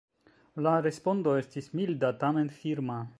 La respondo estis milda, tamen firma.